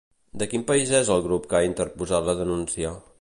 De quin país és el grup que ha interposat la denúncia?